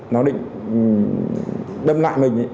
nó định đâm lại mình